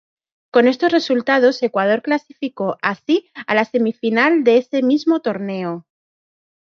Con estos resultados Ecuador clasificó así a la semifinal de ese mismo torneo.